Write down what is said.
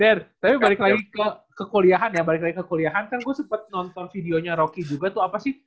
dery tapi balik lagi ke kuliahan ya balik lagi ke kuliahan kan gue sempet nonton videonya rocky juga tuh apa sih